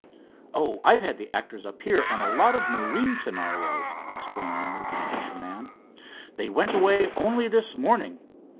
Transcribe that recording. "Oh, I've had the actors up here on a lot of marine scenarios," explained the moving picture man. "They went away only this morning.